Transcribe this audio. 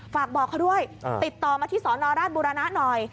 ฝากบอกเขาด้วยติดต่อมาที่สอนอราชบุรณะหน่อย